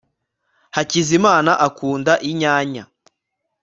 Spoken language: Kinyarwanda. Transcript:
hakizimana akunda inyanya